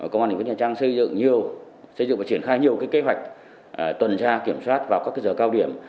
công an tp nha trang xây dựng và triển khai nhiều kế hoạch tuần tra kiểm soát vào các giờ cao điểm